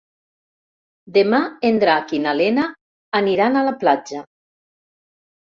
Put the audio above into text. Demà en Drac i na Lena aniran a la platja.